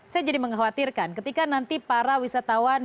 saya jadi mengkhawatirkan ketika nanti para wisatawan